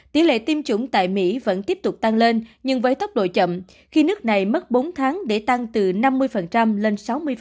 tỷ lệ tiêm chủng tại mỹ vẫn tiếp tục tăng lên nhưng với tốc độ chậm khi nước này mất bốn tháng để tăng từ năm mươi lên sáu mươi